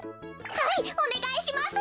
はいおねがいします！